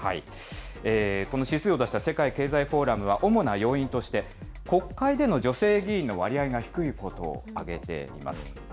この指数を出した世界経済フォーラムは、主な要因として、国会での女性議員の割合が低いことを挙げています。